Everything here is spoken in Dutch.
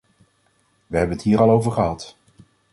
We hebben het hier al over gehad.